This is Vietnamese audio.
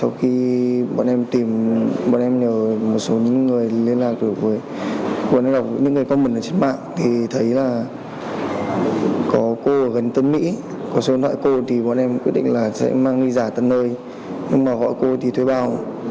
sau khi bọn em nhờ một số người liên lạc được với những người comment trên mạng thì thấy là có cô ở gần tân mỹ có số điện thoại cô thì bọn em quyết định là sẽ mang đi giả tân ơi nhưng mà gọi cô thì thuê bao